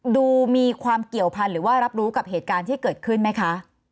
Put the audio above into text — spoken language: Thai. ดูมีความเกี่ยวพันธ์หรือว่ารับรู้กับเหตุการณ์ที่เกิดขึ้นไหมคะ